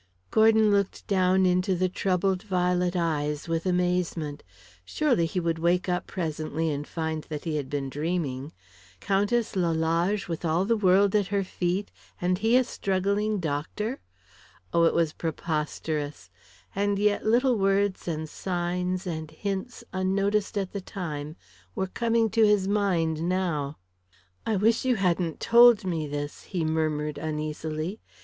Gordon looked down into the troubled violet eyes with amazement. Surely he would wake up presently and find that he had been dreaming. Countess Lalage with all the world at her feet, and he a struggling doctor. Oh, it was preposterous! And yet little words and signs and hints unnoticed at the time were coming to his mind now. "I wish you hadn't told me this," he murmured, uneasily.